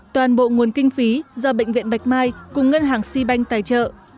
toàn bộ nguồn kinh phí do bệnh viện bạch mai cùng ngân hàng si banh tài trợ